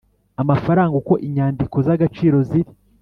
amafaranga uko inyandiko z agaciro ziri